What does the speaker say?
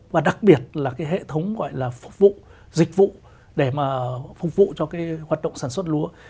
và đặc biệt là cái hệ thống gọi là phục vụ dịch vụ để mà phục vụ cho cái hoạt động sản xuất lúa